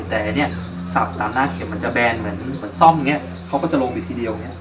แต่สับตามหน้าเข็มมันจะแบนเหมือนซ่อมเขาก็จะลงไปทีเดียว